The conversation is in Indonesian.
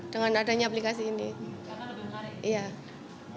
dengan adanya aplikasi ini